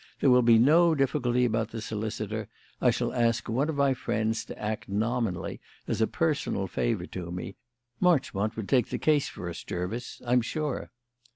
There will be no difficulty about the solicitor; I shall ask one of my friends to act nominally as a personal favour to me Marchmont would take the case for us, Jervis, I am sure."